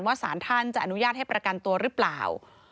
สารท่านจะอนุญาตให้ประกันตัวหรือเปล่า